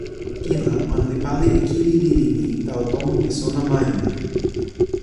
kin la, ona li pana e kili lili ni tawa tomo pi sona majuna.